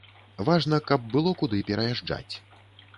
Важна, каб было куды пераязджаць.